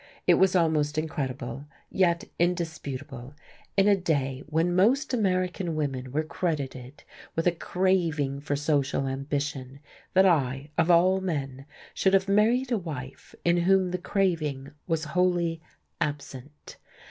It was almost incredible, yet indisputable, in a day when most American women were credited with a craving for social ambition that I, of all men, should have married a wife in whom the craving was wholly absent!